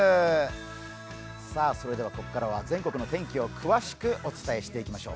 ここからは全国の天気を詳しくお伝えしていきましょう。